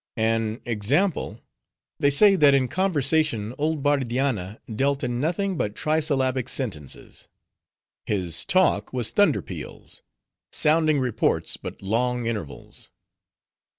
An example: they say that in conversation old Bardianna dealt in nothing but trisyllabic sentences. His talk was thunder peals: sounding reports, but long intervals."